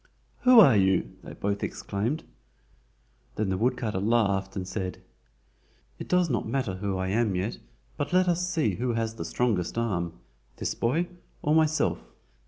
"Who are you?" they both exclaimed. Then the woodcutter laughed and said: "It does not matter who I am yet, but let us see who has the strongest arm—this boy or myself?"